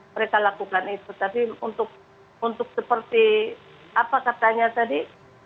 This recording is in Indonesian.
mereka lakukan itu tapi untuk seperti apa katanya tadi